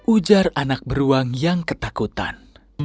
ujar anak beruang yang ketakutan